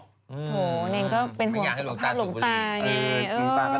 โถเนรนก็เป็นหัวสภาพหลุงตานี่